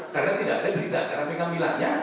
karena tidak ada berita acara pengambilannya